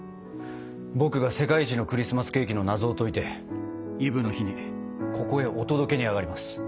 僕が世界一のクリスマスケーキの謎を解いてイブの日にここへお届けにあがります。